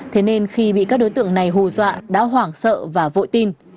thế nên khi bị các đối tượng này hù dọa đã hoảng sợ và vội tin